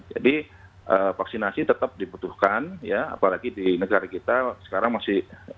jadi vaksinasi tetap dibutuhkan ya apalagi di negara kita sekarang masih